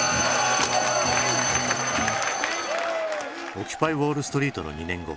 オキュパイウォールストリートの２年後。